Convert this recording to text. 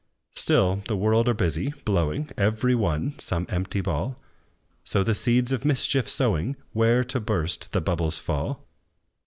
Still the world are busy, blowing, Every one, some empty ball; So the seeds of mischief sowing, Where, to burst, the bubbles fall.